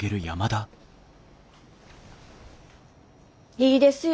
いいですよ。